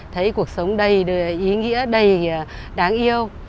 thấy cuộc sống đầy ý nghĩa đầy đáng yêu